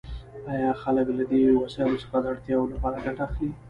آیا خلک له دې وسایلو څخه د اړتیاوو لپاره ګټه اخلي؟